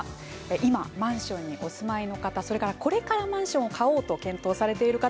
今、マンションにお住まいの方これからマンションを買おうと検討されている方